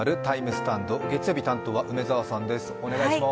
スタンド月曜日担当は梅澤さんです。